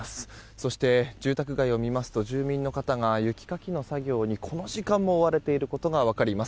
そして、住宅街を見ますと住民の方が雪かきの作業に、この時間も追われていることが分かります。